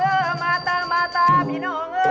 อะเหยาคนที่ไหน